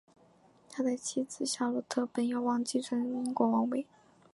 他的妻子夏洛特本有望继承英国王位。